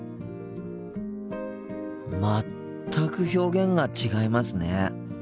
全く表現が違いますね。